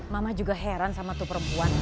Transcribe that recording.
mama juga heran sama tuh perempuan